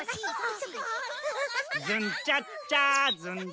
ずんちゃっちゃずんちゃっちゃ。